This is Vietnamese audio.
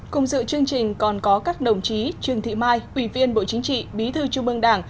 cùng dự chương trình còn có các đồng chí trương thị mai ủy viên bộ chính trị bí thư trung ương đảng